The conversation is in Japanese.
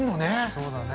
そうだね。